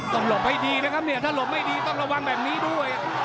หลบให้ดีนะครับเนี่ยถ้าหลบไม่ดีต้องระวังแบบนี้ด้วย